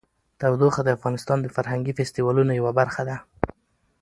تودوخه د افغانستان د فرهنګي فستیوالونو یوه برخه ده.